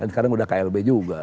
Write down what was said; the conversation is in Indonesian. sekarang sudah klb juga